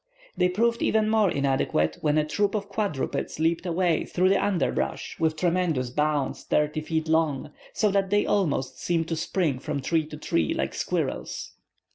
They proved even more inadequate when a troop of quadrupeds leaped away through the underbrush with tremendous bounds thirty feet long, so that they almost seemed to spring from tree to tree, like squirrels.